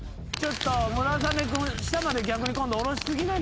村雨君下まで逆に今度下ろし過ぎなんじゃない？